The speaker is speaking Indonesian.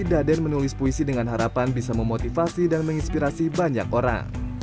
daden menulis puisi dengan harapan bisa memotivasi dan menginspirasi banyak orang